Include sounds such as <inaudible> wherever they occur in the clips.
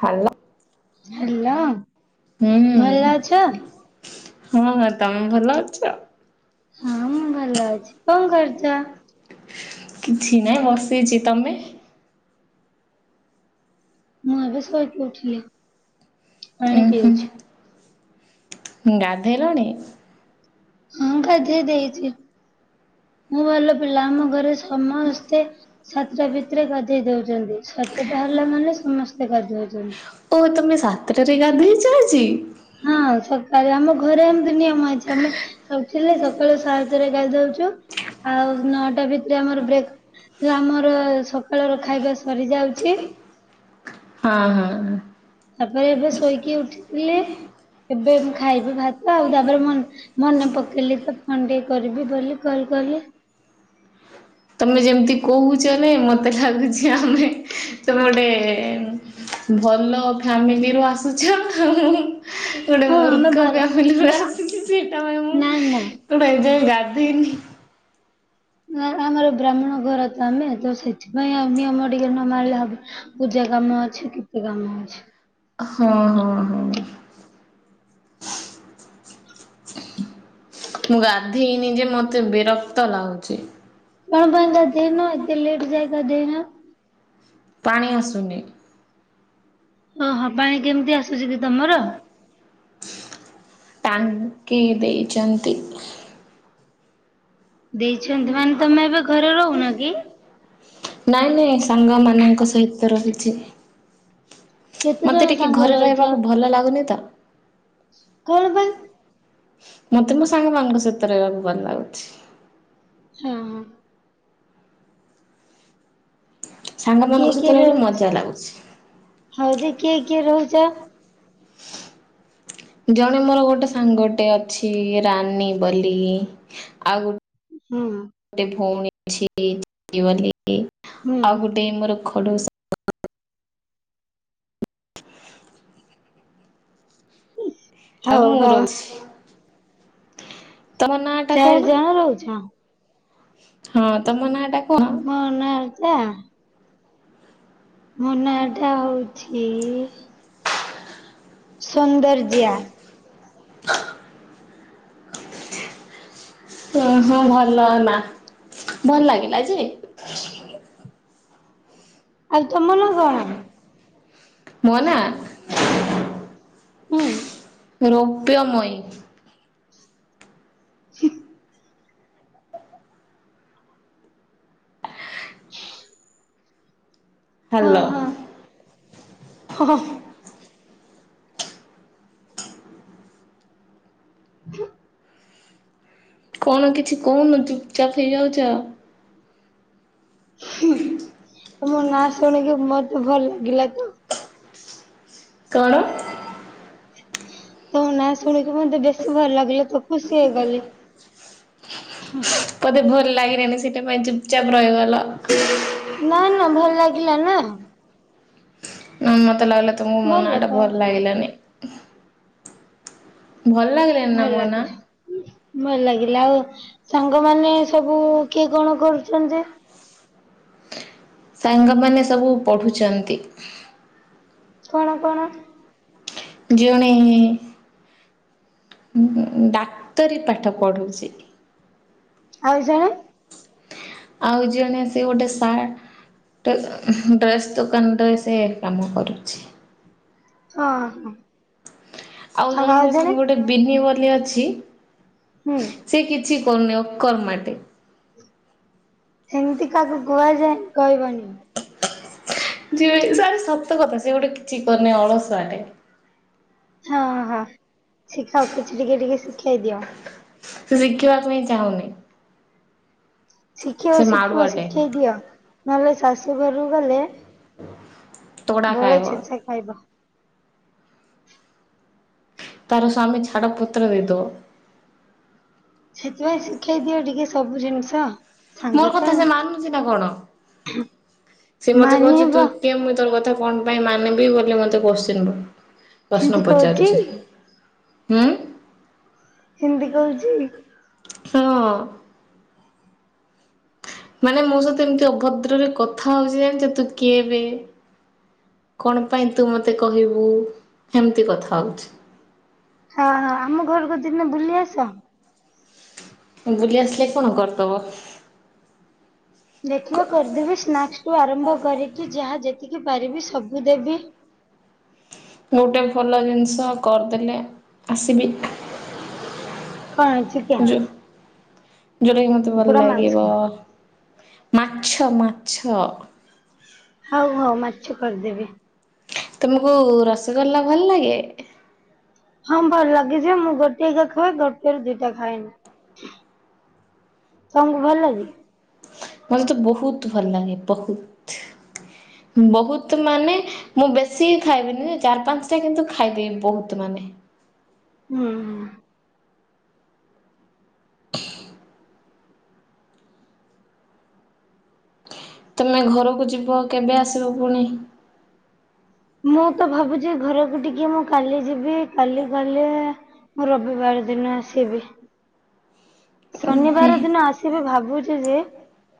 Hello. Hello. ହୁଁ ଭଲ ଅଛ? ହୁଁ ହୁଁ ତମେ ଭଲ ଅଛ? ହଁ ମୁଁ ଭଲ ଅଛି କଣ କରୁଚ? କିଛି ନାଇଁ ବସିଚି ତମେ? ମୁଁ ଏବେ ଶୋଇକି ଉଠିଲି ପାଣି ଉୁଁ ପିଉଚି। ହୁଁ ଗାଧେଇଲଣି? ହଁ ଗାଧେଇଦେଇଚି ମୁଁ ଭଲ ପିଲା ଆମ ଘରେ ସମସ୍ତେ ସାତଟା ଭିତରେ ଗାଧେଇ ଦଉଚନ୍ତି ସାତଟା ହେଲା ମାନେ ସମସ୍ତେ ଗାଧଉଚନ୍ତି। ଓ ତୁମେ ସାତଟାରେ ଗାଧେଇଚ ଆଜି। ହଁ ସକାଳେ ଆମ ଘରେ ଏମିତି ନିୟମ ହେଇଛି ଆମେ ଉଠୀଲେ ସକାଳୁ ସାତେରେ ଗାଧୋଉଛୁ ଆଉ ନଅଟା ଭିତରେ ଆମର ବ୍ରେକ୍ ଆମର ସକାଳ ର ଖାଇବା ସରି ଯାଉଛି। ହଁ ହଁ ହଁ। ତାପରେ ଏବେ ଶୋଇକି ଉଠିଲି ଏବେ ମୁଁ ଖାଇବି ଭାତ, ଆଉ ତାପରେ ମନେ ପକେଇଲି ତ ଫୋନ ଟିକେ କରିବି ବୋଲି କଲ କଲି। ତମେ ଯେମିତି କହୁଛଲେ ମତେ ଲାଗୁଛି ଆମେ ତମେ ଗୋଟେ ଭଲ ଫାମିଲିରୁୁ ଆସୁଛ ଆଉ। ଗୋଟେ ହଁ ଆମେ ମୂର୍ଖ ଭାର ଫାମିଲ ରୁ ଆମେ ଆସିଛି ତା ପରେ ମୁଁ ନା ନା ମୁଁ ବା ଏ ଯାଏ ଗାଧେଇନି। ନା ଆମର ବ୍ରାହ୍ମଣ ଘର ତ ଆମେ ତ ସେଥିପାଇଁ ନିୟମ ଟିକେ ନ ମାରିଲେ ହବ। ପୂଜା କାମ ଅଛି କେତେ କାମ ଅଛି। ହଁ ହଁ ହଁ। ମୁଁ ଗାଧେଇନି ଯେ ମତେ ବିରକ୍ତ ଲାଗୁଛି। କଣ ପାଇଁ ଗାଧେଇନ ଏତେ ଲେଟ୍ ଯାଇ ଗାଧେଇନ? ପାଣି ଆସୁନି। ଓହୋ ପାଣି କେମିତି ଆସୁଛି କି ତମର? ଟାଙ୍କି ଦେଇଛନ୍ତି। ଦେଇଛନ୍ତି ମାନେ ତମେ ଏବେ ଘରେ ରହୁନ କି? ନାଇଁ ନାଇଁ ସାଙ୍ଗ ମାନଙ୍କ ସହିତ ରହୁଛି। କେତେ ଜଣ ମୋତେ ଟିକେ ସାଙ୍ଗ ଘରେ ରହୁଛ ରହିବାକୁ ଭଲ ଲାଗୁନି ତ। କଣ ପାଇଁ? ମୋତେ ମୋ ସାଙ୍ଗମାନଙ୍କ ସହିତ ରହିବାକୁ ଭଲ ଲାଗୁଛି। ହଁ। ହଁ କିଏ ସାଙ୍ଗମାନଙ୍କ ସହିତ କିଏ ରହିଲେ ରହୁ ମଜା ଲାଗୁଛି ହଉ ଯେ କିଏ କିଏ ରହୁଛ? <inaudible> ଜଣେ ମୋର ଗୋଟେ ସାଙ୍ଗଟେ ଅଛି ରାନୀ ବୋଲି, ଆଉ ଗୋଟେ ହୁଁ। ଗୋଟେ ଭଉଣୀ ଅଛି ଦିଦି ବୋଲି ହୁଁ ହୁଁ ଆଉ ଗୋଟେ ମୋର ଖଡସ <inaudible> ଆଉ ହଉ ମୁଁ ହଉ ରହୁଚି। ତମ ନାଁ ଟା ଚାରି କଣ ଜଣ ରହୁଛ ହଁ ତମ ନାଁ ଟା କଣ? ମୋ <unintelligible> ମୋ ନାଟା ହେଉଛି ସୌନ୍ଦର୍ଯ୍ୟା। <inaudible> ଓ ହୋ ଭଲ ହେଲା ଭଲ ଲାଗିଲା ଯେ, ଆଉ ତମ ନା କଣ? ମୋ ନାଁ? ହୁଁ। ରୌପ୍ୟମୟୀ। ହଁ <inaudible> ହଁ ହ୍ୟାଲୋ। ହଁ ହଁ ହ <inaudible> କଣ କିଛି କହୁନ ଚୁପଚାପ୍ ହେଇଯାଉଛ? ହୁଁ ତମ ନାଁ ଶୁଣିକି ମତେ ଭଲ ଲାଗିଲା ତ! କଣ? ତୋ ନାଁ ଶୁଣିକି ମତେ ବେଶୀ ଭଲ ଲାଗିଲା ତୁ ଖୁସି ହେଇଗଲି। ବୋଧେ ଭଲ ଲାଗିଲେଣିି ସେଇଟା ପାଇଁ ଚୁପଚାପ ରହିଗଲ। ନା ନା ଭଲ ଲାଗିଲା ନା ନ ମତେ ଲାଗିଲା ତୁମକୁ ମୋ ନାଟା ଭଲ ଲାଗିଲାନି ଭଲ ଲାଗିଲା ଭଲ ଲାଗିଲ ଭଲ ଲାଗିଲା ଆଉ ସାଙ୍ଗ ମାନେ ସବୁ କିଏ କଣ କରୁଛନ୍ତି? ସାଙ୍ଗମାନୋନ ସବୁ ପଢ଼ୁଚନ୍ତି। କଣ କଣ ଜଣେ ଡାକ୍ତରୀ ପାଠ ପଢ଼ୁଚି। ଆଉ ଜାଣେ? ଆଉ ଜ ଜଣେ ସେ ଗୋଟେ ସା ଡ୍ରେସ୍ ଦୋକାନରେ ସେ କାମ କରୁଚି। ହଁ ହଁ। ଆଉ ଜଣେ ମୋ ସାଙ୍ଗେ ବିିନି ବୋଲି ଅଛି ହୁଁ। ସେ କିଛି କରୁନି ଅକର୍ମା। ସେମିତି କାହାକୁ କୁହାଯାଏ କହିବନି। ଯି ସତ କଥା ସେଏ ଗୋଟେ କିଛି କରିନି ଅଳସୁଆଟେ। ହଁ ହଁ ଶିଖାଅ କିଛି ଟିକେ ଟିକେ ଶିଖେଇ ଦିଅ। ସେ ଶିଖିବାକୁ ପାଇଁଁ ଚାହୁଁନି। ଶିଖିବ ସେ ଶିଖିବ ମାଡୁଆଟେ ଶିଖେଇ ଦିଅ ନହେଲେ ଶାଶୁଘରୁ ଗଲେ ତୋଡ଼ା ବଳେ ଖାଇବ। ଛେଚା ଖାଇବ। ତାର ସ୍ୱାମୀ ଛାଡ ପୁତ୍ର ଦେଇଦେବ। ସେଥିପାଇଁ ଶିଖେଇ ଦିଅ ଟିକେ ସବୁ ଜିନିଷ। ସାଙ୍ଗ ମୋର ତ କଥା ଆଉ ସେ ମାନୁଛି ନା କଣ? ସେ ମତେ କହୁଛି ମାନିବ ତୁ କିଏ ମୁଇଁ ତୋର କଥା କଣ ପାଇଁ ମାନିବି ବୋଲି ମତେ କୋଶ୍ଚିନ୍ ପ୍ରଶ୍ନ ଏମିତି କହୁଛି ପଚାରୁଛି। ଉଁ? ହିନ୍ଦୀ କହୁଛି? ହଁ। ମାନେ ମୋ ସହିତ ଏମିତି ଅଭଦ୍ରରେ କଥା ହଉଛି ଜାଣିଛ ତୁ କିଏବେ କଣ ପାଇଁ ତୁ ମତେ କହିବୁ ଏମିତି କଥା ହଉଛି। ହଁ ଆମ ଘରକୁ ଦିନେ ବୁଲି ଆସ। ବୁଲି ଆସିଲେ କଣ କରିଦବ? ଦେଖିବ କରିଦେବି ସ୍ନାକ୍ସ ଠୁ ଆରମ୍ଭ କରିକି ଯାହା ଯେତିକି ପାରିବି ସବୁ ଦେବି। ଗୋଟେ ଭଲ ଜିନିଷ କରିଦେଲେ ଆସିବି। କଣ ଚିକେନ ଯ ଯୋଟା କି ମତେ ଭଲ କୁକୁଡ଼ା ମାଂସ ଲାଗିବ। ମାଛ ମାଛ। ହଉ ହଉ ମାଛ କରିଦେବି। ତୁମକୁ ରସଗୋଲା ଭଲ ଲାଗେ? ହଁ ଭଲ ଲାଗେ ଯେ ମୁଁ ଗୋଟେକା ଖାଏ ଗୋଟେ ରୁ ଦିଟା ଖାଏନି। ତମକୁ ଭଲ ଲାଗେ? ମତେ ତ ବହୁତ ଭଲ ଲାଗେ ବହୁତ। ବହୁତ ମାନେ ମୁଁ ବେଶୀ ଖାଇବିନି ଚାରି ପାଞ୍ଚ ଟା କିନ୍ତୁ ଖାଇଦେବି ବହୁତ ମାନେ। ହୁଁ ହୁଁ। ତୁମେ ଘରକୁ ଯିବ କେବେ ଆସିବ ପୁଣି? ମୁଁ ତ ଭାବୁଛି ଘରକୁ ଟିକେ ମୁଁ କାଲି ଯିବି କାଲି ଗଲେ ମୁଁ ରବିବାର ଦିନ ଆସିବି। ଶନିବାର ଦିନ ଆସ ସିବି ଭାବୁଛି ଯେ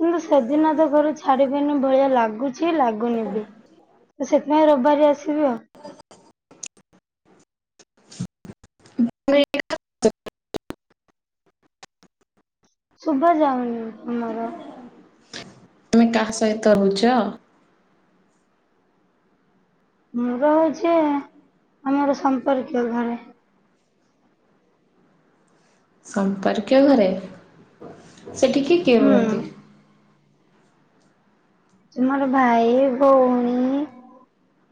କିନ୍ତୁ ସେଦିନ ତ ଘର ଛାଡିବେନି ଭଳିଆ ଲାଗୁଛି। କିଛି ଲାଗୁନି ବିି ତ ସେଥିପାଇଁ ରବିବାର ଆସିବି ଆଉ। ହ <unintelligible> ସୁଭା ଯାଉନି ଆମର। ତୁମେ କାହା ସହିତ ରହୁଛ? ମୋର ହଉଛି ଆମର ସମ୍ପର୍କୀୟ ଘରେ। ସମ୍ପର୍କୀୟ ଘରେ ସେଠି କିଏ କିଏ ହୁଁ ରୁହନ୍ତି। ତୁମର ଭାଇ ଭଉଣୀ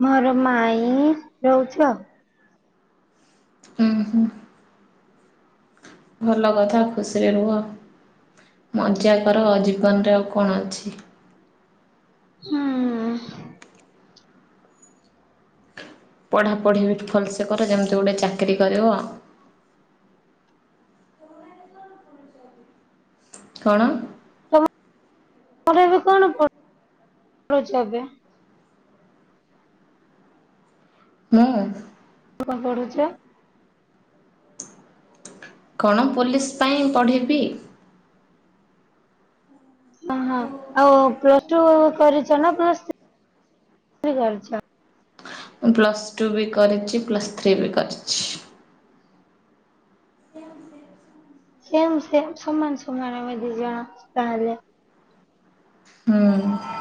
ମୋର ମାଇଁ ରହୁଛୁ ଆ। ହୁଁ ହୁଁ। ଭଲ କଥା ଖୁସିରେ ରୁହ ମଜା କର ଜୀବନରେ ଆଉ କଣ ଅଛି? ହୁଁ। ପଢ଼ାପଢ଼ି ବି ଭଲସେ କର ଯେମିତି ଗୋଟେ ଚାକିରି କରିବ। କଣ? ତମ ତମର ଏବେ କଣ <unintelligible> ଏବେ। ହୁଁ। କଣ ପଢୁଛ? କଣ ପୋଲିସ ପାଇଁ ପଢ଼ିବି। ଓହଁ ଆଉ ପ୍ଲସ୍ ଟୁ କରିଛ ନା ପ୍ଲସ୍ଥ୍ରୀ କରିଛ? ମୁଁ ପ୍ଲସ୍ ଟୁ ବି କରିଛି ପ୍ଲସ୍ ଥ୍ରୀ ବି କରିଛି। ସେ ଆଉ ସେ ସେମ୍ ସେମ ସମାନ ସମାନ ଆମେ ଦି ଜଣ ତାହେଲେ ହୁଁ।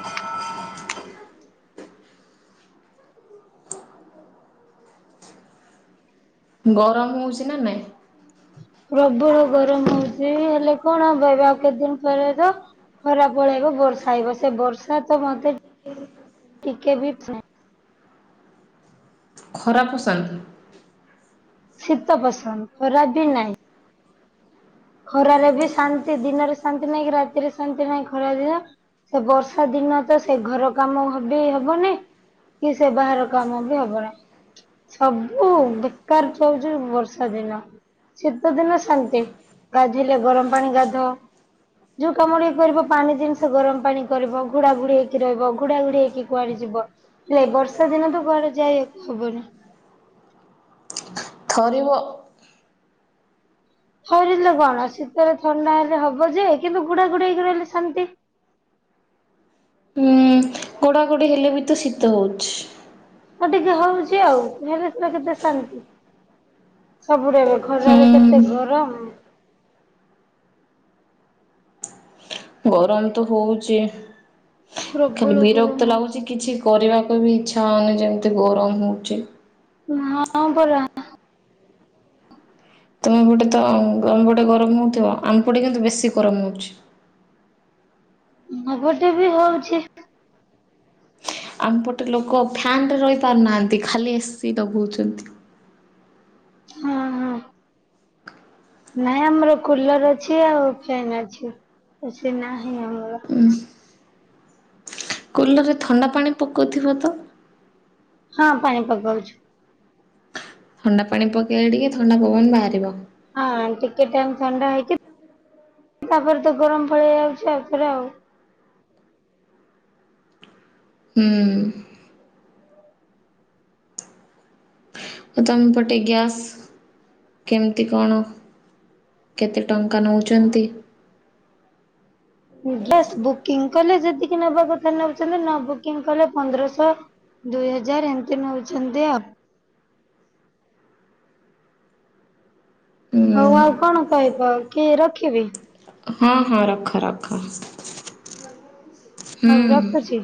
ଗରମ ହେଉଛି ନା ନାଇଁ? ପ୍ରବଳ ଗରମ ହୋଉଚି ହେଲେ କଣ ହବ ଆଉ କେତେ ଦିନ ପରେ ତ ଖରା ପଳେଇବ ବର୍ଷା ଆଇବ ସେ ବର୍ଷା ତ ମତେ ଟିକେ ବି ଖରାପ ସାଙ୍ଗି ଶୀତ ପସନ୍ଦ ଖରା ବି ନାହିଁ। ଖରାରେ ବି ଶାନ୍ତି ଦିନରେ ଶାନ୍ତି ନାଇଁକି ରାତିରେ ଶାନ୍ତି ନାଇଁ ଖରା ଦିନ ସେ ବର୍ଷା ଦିନ ତ ସେ ଘର କାମ ବି ହବନି। କି ସେ ବାହାର କାମ ବି ହବ ନାହି। ସବୁ ବେକାର ଚାହୁଛି ବର୍ଷା ଦିନ ଶୀତ ଦିନ ଶାନ୍ତି। ଗାଧୋଇଲେ ଗରମ ପାଣି ଗାଧ। ଯୋଉ କାମଟେ କରିବ ପାଣି ଜିନିଷ ଗରମ ପାଣି କରିବ ଘୁଡ଼ା ଘୁଡି ହେଇକି ରହିବ ଘୁଡା ଘୁଡି ହେଇକି କୁଆଡ ଯିବ। ହେଲେ ବର୍ଷା ଦିନେ ତ କୁଆଡେ ଯାଇହବନି। ଥରିବ ଥରିଲେ କଣ ଶୀତରେ ଥଣ୍ଡା ହେଲେ ହବ ଯେ କିନ୍ତୁ ଘୁଡ଼ାଘୁଡ଼ି ହେଇକି ରହିଲେ ଶାନ୍ତି। ଘୁଡ଼ାଘୁଡ଼ି ହେଲେ ବି ତ ଶୀତ ହୋଉଛି। ହ ଟିକେ ହଉଛି ଆଉ ହେଲେ ସେ କେତେ ଶାନ୍ତି। ସବୁୁର <unintelligible> ହୁଁ ଖରାରେ କେତେ ଗରମ। ଗରମ ତ ହୋଉଛି ପ୍ରବଳ ଖାଲି ଗରମ ବିରକ୍ତ ଅଛି ଲାଗୁଛି କିଛି କରିବାକୁ ବି ଇଚ୍ଛା ହେଉନି ଯେମିତି ଗରମ ହେଉଛି। ହଁ ପରା। ତୁମ ପଟେ ତ ଆମ ପଟେ ଗରମ ହେଉଥିବ ଆମ ପଟେ କିନ୍ତୁ ବେଶୀ ଗରମ ହେଉଛି। ଆମ ପଟେ ବି ହୋଉଛି। ଆମପଟେ ଲୋକ ଫ୍ୟାନ୍ରେ ରହିପାରୁନାହାନ୍ତି ଖାଲି ଏସିି ଲଗାଉଛନ୍ତି। ହଁ ହଁ। ନାଇଁ ଆମର କୁଲର ଅଛି ଆଉ ଫ୍ୟନ୍ ଅଛି। ଏ ସି ନାହିଁ ଆମର। ଉୁଁ। କୁଲରରେ ଥଣ୍ଡା ପାଣି ପକାଉଥିବ ତ? ହଁ ପାଣି ପକାଉଛୁ। ଥଣ୍ଡା ପାଣି ପକେଇଲେ ଟିକେ ଥଣ୍ଡା ପବନ ବାହାରିବ। ହଁ ଟିକେ ଟାଇମ ଥଣ୍ଡା ହେଇକି ତାପରେ ତ ଗରମ ପଳେଇ ଆଉଛି ଆଉଥରେ ଆଉ। ହୁଁ। ଆଉ ତୋମେ ପଟେ ଗ୍ୟାସ୍ କେମିତି କଣ? କେତେ ଟଙ୍କା ନେଉଛନ୍ତି? ଗ୍ୟାସ୍ ବୁକିଂ କଲେ ଯେତିକି ନବା କଥା ନେଉଛନ୍ତି ନ ବୁକିଂ କଲେ ପନ୍ଦରଶହ। ଦୁଇ ହଜାର ଏମିତି ନେଉଛନ୍ତି ଆଉ। ହଉ ଆଉ ହୁଁ କଣ କହିବ କି ରଖିବି? ହଁ ହଁ ରଖ ରଖ। ହଉ ହୁଁ। ରଖୁଛି।